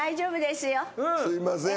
すいません。